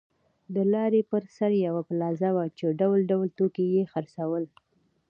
د لارې پر سر یوه پلازه وه چې ډول ډول توکي یې خرڅول.